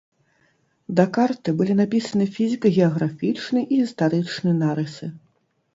Да карты былі напісаны фізіка-геаграфічны і гістарычны нарысы.